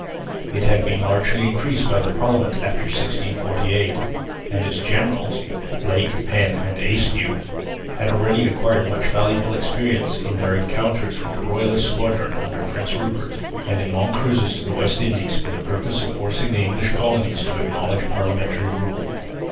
It had been largely increased by the Parliament after 1648; and its "generals," Blake, Penn and Ayscue, had already acquired much valuable experience in their encounters with the royalist squadron under Prince Rupert, and in long cruises to the West Indies for the purpose of forcing the English colonies to acknowledge parliamentary rule.